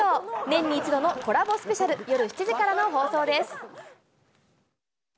年に一度のコラボスペシャル、夜７時からの放送です。